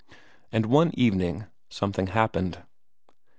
And one evening something happened.